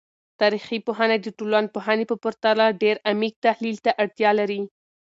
تاریخي پوهنه د ټولنپوهنې په پرتله ډیر عمیق تحلیل ته اړتیا لري.